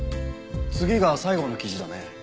次が最後の記事だね。